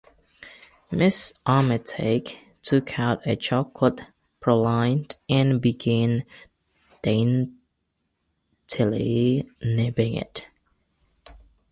Ms. Armytage took out a chocolate praline and began daintily nibbling it.